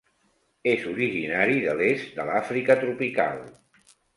És originari de l'est de l'Àfrica tropical.